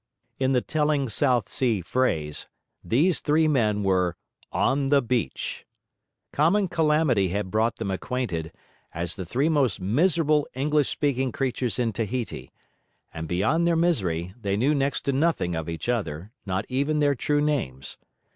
In the telling South Sea phrase, these three men were ON THE BEACH. Common calamity had brought them acquainted, as the three most miserable English speaking creatures in Tahiti; and beyond their misery, they knew next to nothing of each other, not even their true names.